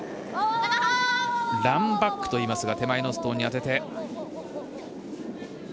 ランバックといいますが手前のストーンに当てて。